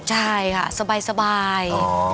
ใช่ค่ะสบาย